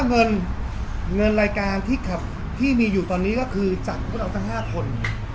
เงินเงินรายการที่ขับที่มีอยู่ตอนนี้ก็คือจากพวกเราทั้ง๕คน